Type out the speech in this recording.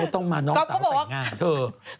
ต้องมาน้องสาวแต่งงานเธอ